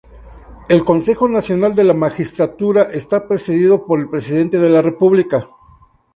El Consejo Nacional de la Magistratura está presidido por el Presidente de la República.